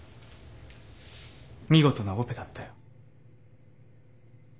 見事なオペだったよ。